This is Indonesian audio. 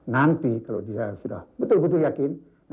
nanti kalau dia sudah betul betul yakin